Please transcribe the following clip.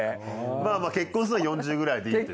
まぁまぁ結婚するのは４０くらいでいいって。